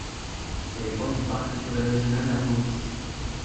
Elle est proche du Parc naturel régional d'Armorique.